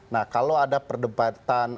nah kalau ada perdebatan